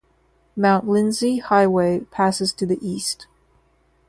Mount Lindesay Highway passes to the east.